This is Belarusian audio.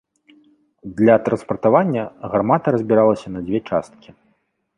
Для транспартавання гармата разбіралася на дзве часткі.